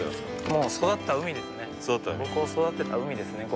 もう育った海ですね。